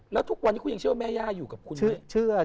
แล้วทุกวันนี้คุณยังเชื่อแม่ย่าอยู่กับคุณด้วย